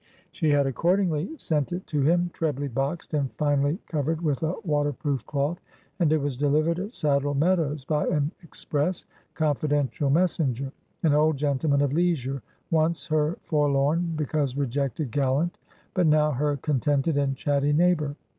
She had accordingly sent it to him, trebly boxed, and finally covered with a water proof cloth; and it was delivered at Saddle Meadows, by an express, confidential messenger, an old gentleman of leisure, once her forlorn, because rejected gallant, but now her contented, and chatty neighbor.